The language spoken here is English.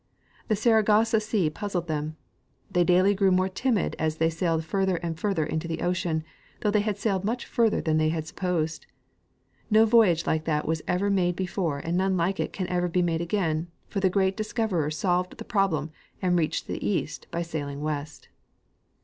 The Saragossa sea puzzled them. They daily grew more timid as they sailed further and further into the ocean, though they had sailed much further than they supposed. No voyage like that was ever made before and none like it can ever be made again, for the great discoverer solved the problem and reached the east by sailing west.